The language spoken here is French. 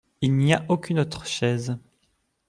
Il n’y a aucune autre chaise.